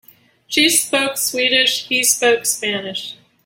She spoke Swedish, he spoke Spanish.